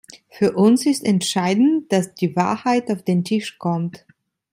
Für uns ist entscheidend, dass die Wahrheit auf den Tisch kommt.